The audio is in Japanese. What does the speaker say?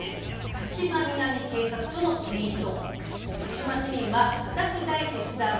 対馬南警察署のツイート。